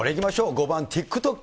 ５番、ＴｉｋＴｏｋ。